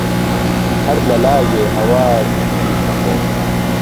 ههر له لایێ ههوار گیر ئهخۆم